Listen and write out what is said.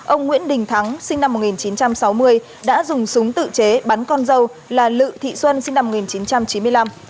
ông nguyễn đình thắng sinh năm một nghìn chín trăm sáu mươi đã dùng súng tự chế bắn con dâu là lự thị xuân sinh năm một nghìn chín trăm chín mươi năm